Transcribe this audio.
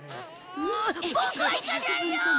ボクは行かないよ！